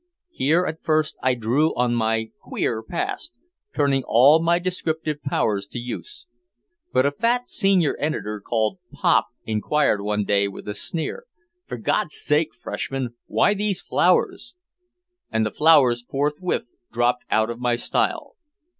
Here at first I drew on my "queer" past, turning all my "descriptive powers" to use. But a fat senior editor called "Pop" inquired one day with a sneer, "For God's sake, Freshman, why these flowers?" And the flowers forthwith dropped out of my style.